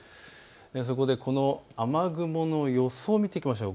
そしてこの雨雲の予想を見ていきましょう。